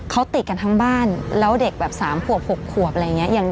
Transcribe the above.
เขาติดกันทั้งบ้านแล้วเด็กแบบ๓ขวบ๖ขวบอะไรอย่างนี้